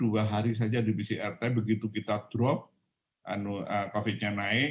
dua hari saja di pcrt begitu kita drop covid nya naik